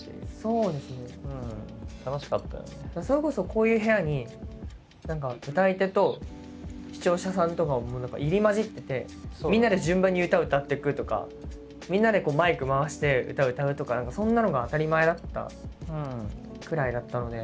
それこそこういう部屋に何か歌い手と視聴者さんとかも何か入り交じっててみんなで順番に歌を歌ってくとかみんなでこうマイク回して歌を歌うとか何かそんなのが当たり前だったくらいだったので。